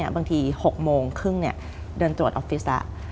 บางที๖โมงครึ่งเดินตรวจออฟฟิศ